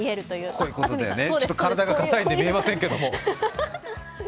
こういうことですね、ちょっと体が硬いので見えないですけども。